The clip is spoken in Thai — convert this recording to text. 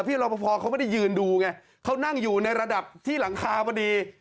รอปภเขาไม่ได้ยืนดูไงเขานั่งอยู่ในระดับที่หลังคาพอดี